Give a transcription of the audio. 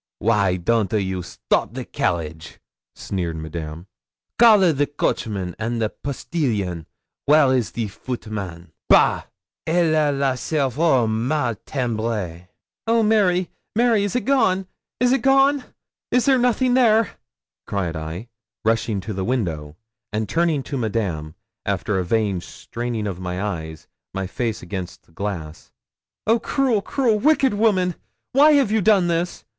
'Why don't a you stop the carriage?' sneered Madame. 'Call a the coachman and the postilion. W'ere is the footman? Bah! elle a le cerveau mal timbré.' 'Oh, Mary, Mary, is it gone is it gone? Is there nothing there?' cried I, rushing to the window; and turning to Madame, after a vain straining of my eyes, my face against the glass 'Oh, cruel, cruel, wicked woman! why have you done this?